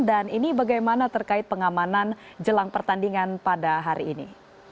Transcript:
dan ini bagaimana terkait pengamanan jelang pertandingan pada hari ini